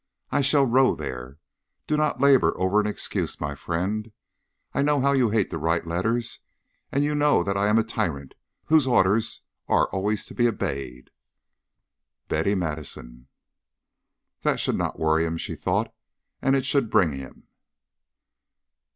I shall row there. Do not labour over an excuse, my friend. I know how you hate to write letters, and you know that I am a tyrant whose orders are always obeyed. BETTY MADISON. "That should not worry him," she thought, "and it should bring him."